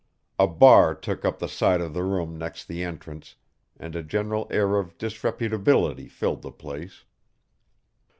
A bar took up the side of the room next the entrance, and a general air of disreputability filled the place.